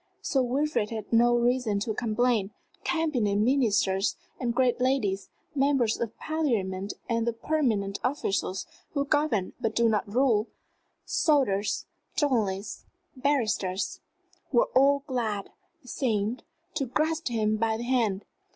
Sir Wilfrid had no reason to complain. Cabinet ministers and great ladies, members of Parliament and the permanent officials who govern but do not rule, soldiers, journalists, barristers were all glad, it seemed, to grasp him by the hand.